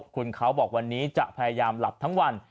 คุณเขาบอกวันนี้จะพยายามหลับทั้งวัน